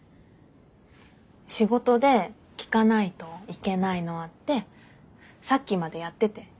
仕事で聴かないといけないのあってさっきまでやってて。